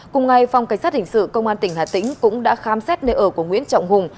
cùng ngày phòng cảnh sát hình sự công an tỉnh hà tĩnh cũng đã khám xét nơi ở của nguyễn trọng hùng